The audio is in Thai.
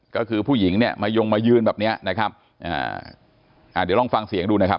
ก็คือผู้หญิงเนี่ยมายงมายืนแบบเนี้ยนะครับอ่าอ่าเดี๋ยวลองฟังเสียงดูนะครับ